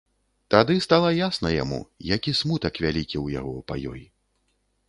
Тады стала ясна яму, які смутак вялікі ў яго па ёй.